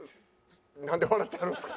なんで笑ってはるんですか？